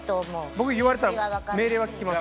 僕言われたら命令は聞きます。